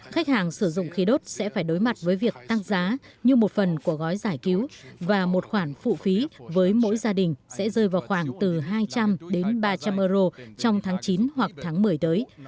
khách hàng sử dụng khí đốt sẽ phải đối mặt với việc tăng giá như một phần của gói giải cứu và một khoản phụ phí với mỗi gia đình sẽ rơi vào khoảng từ hai trăm linh đến ba trăm linh euro trong tháng chín hoặc tháng một mươi tới